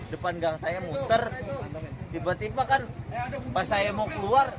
depan gang saya muter tiba tiba kan pas saya mau keluar